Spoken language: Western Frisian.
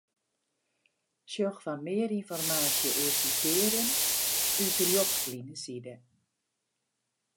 Sjoch foar mear ynformaasje oer sitearjen ús Rjochtlineside.